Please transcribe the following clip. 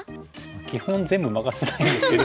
基本全部任せたいんですけど。